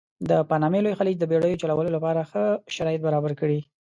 د پانامې لوی خلیج د بېړیو چلولو لپاره ښه شرایط برابر کړي.